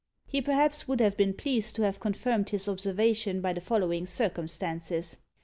He perhaps would have been pleased to have confirmed his observation by the following circumstances.